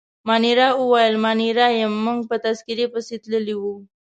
مانیرا وویل: زه مانیرا یم، موږ په تذکیره پسې تللي وو.